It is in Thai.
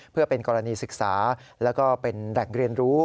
เพื่อเป็นกรณีศึกษาแล้วก็เป็นแหล่งเรียนรู้